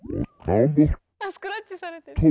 あスクラッチされてる。